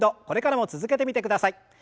これからも続けてみてください。